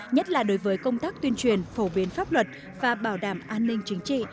nhất là đối với công tác tuyên truyền phổ biến pháp luật và bảo đảm an ninh chính trị